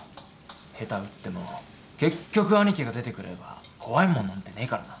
下手打っても結局アニキが出てくれば怖いもんなんてねえからな。